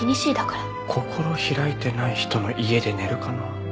心開いてない人の家で寝るかな。